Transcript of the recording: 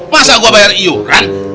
masa gua bayar iuran